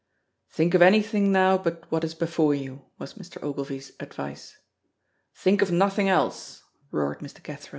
"Think of anything now but what is before you," was Mr. Ogilvy's advice. "Think of nothing else," roared Mr. Cathro.